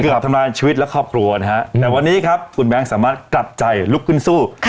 ทำลายชีวิตและครอบครัวนะฮะแต่วันนี้ครับคุณแบงค์สามารถกลับใจลุกขึ้นสู้